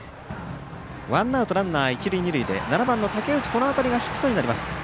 ワンアウトランナー、一塁二塁で７番の竹内、この当たりがヒットになります。